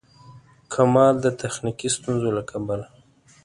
کمال د تخنیکي ستونزو له کبله.